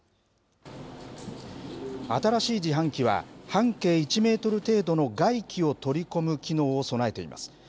新しい自販機は、半径１メートル程度の外気を取り込む機能を備えています。